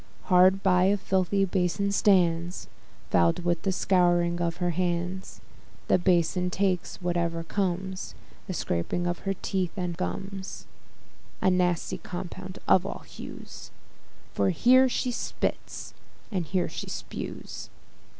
Hard by a filthy bason stands, Foul'd with the scouring of her hands: The bason takes whatever comes, The scrapings from her teeth and gums, A nasty compound of all hues, For here she spits, and here she spues.